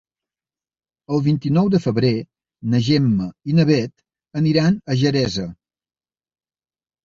El vint-i-nou de febrer na Gemma i na Bet aniran a Xeresa.